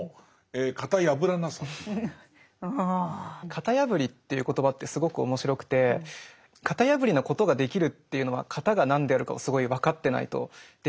型破りっていう言葉ってすごく面白くて型破りなことができるっていうのは型が何であるかをすごい分かってないとできないように思うんですよね。